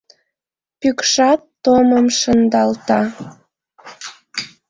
Пӱкшат томым шындалта.